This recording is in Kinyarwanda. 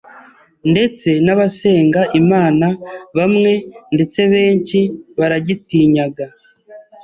ndetse n’abasenga Imana bamwe ndetse benshi baragitinyaga,